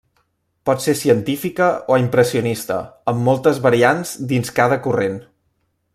Pot ser científica o impressionista, amb moltes variants dins cada corrent.